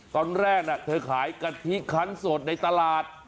ตอนแรกเธอขายกะทิคันสดในตลาด